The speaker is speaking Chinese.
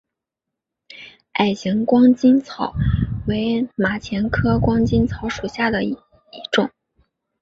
矮形光巾草为马钱科光巾草属下的一个种。